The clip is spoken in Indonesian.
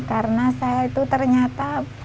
karena saya itu ternyata